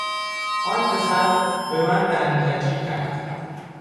آن پسر به من دهن کجی کرد.